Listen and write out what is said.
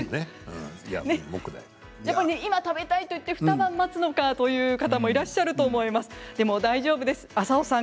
今食べたいと思って二晩待つのかと思う方もいらっしゃるかもしれません。